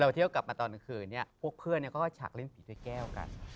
เที่ยวกลับมาตอนกลางคืนเนี่ยพวกเพื่อนเขาก็ฉากเล่นผีด้วยแก้วกัน